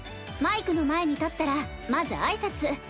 マイクの前に立ったらまず挨拶。